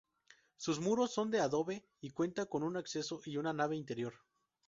Sus muros son de adobe, y cuenta con un acceso y una nave interior.